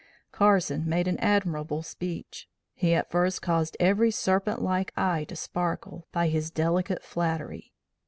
Carson made an admirable speech. He at first caused every serpent like eye to sparkle, by his delicate flattery.